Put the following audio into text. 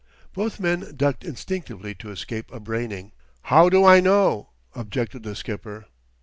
Both men ducked instinctively, to escape a braining. "How do I know?" objected the skipper.